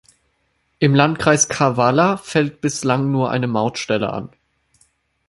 Im Landkreis Kavala fällt bislang nur eine Mautstelle an.